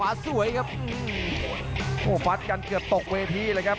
โอ้วฟัชกันเกือบตกเวทีเลยครับ